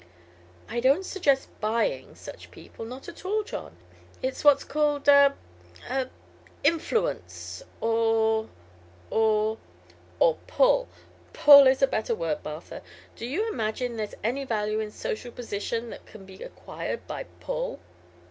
"I don't suggest 'buying' such people; not at all, John. It's what is called ah ah 'influence'; or, or " "Or 'pull.' 'Pull' is a better word, Martha. Do you imagine there's any value in social position that can be acquired by 'pull'?"